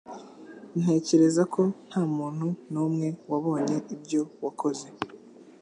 Ntekereza ko ntamuntu numwe wabonye ibyo wakoze